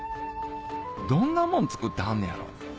どんなもん作ってはんねやろ？